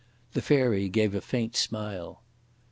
The Fairy gave a faint smile.